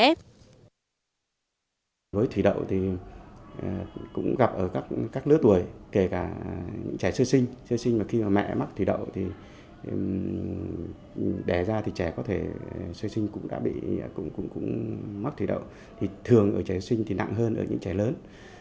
trẻ sơ sinh cũng gặp ở các lứa tuổi kể cả trẻ sơ sinh khi mẹ mắc thủy đậu thì trẻ có thể sơ sinh cũng mắc thủy đậu thường ở trẻ sơ sinh thì nặng hơn ở những trẻ lớn